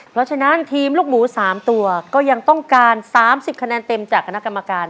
เพราะฉะนั้นทีมลูกหมู๓ตัวก็ยังต้องการ๓๐คะแนนเต็มจากคณะกรรมการ